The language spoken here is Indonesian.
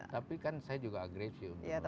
tapi kan saya juga agresif